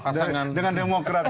maaf dengan demokrat